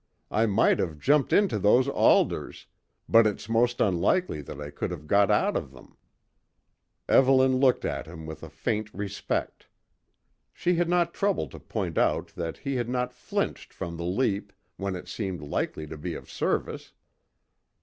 I might have jumped into those alders, but it's most unlikely that I could have got out of them." Evelyn looked at him with a faint respect. She had not troubled to point out that he had not flinched from the leap, when it seemed likely to be of service.